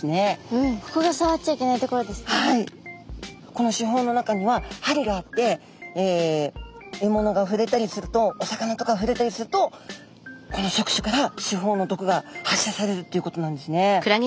この刺胞の中には針があってえものがふれたりするとお魚とかふれたりするとこの触手から刺胞の毒が発射されるっていうことなんですね。